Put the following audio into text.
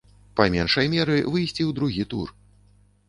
Па меншай меры выйсці ў другі тур.